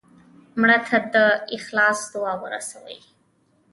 مړه ته د اخلاص دعا ورسوې